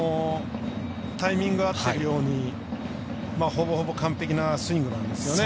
タイミング合ってるようにほぼほぼ完璧なスイングなんですよね。